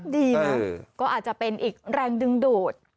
ดีนะก็อาจจะเป็นอีกแรงดึงดูด